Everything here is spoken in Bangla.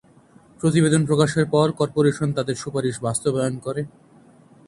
প্রতিবেদন প্রকাশের পর কর্পোরেশন তাদের সুপারিশ বাস্তবায়ন করে।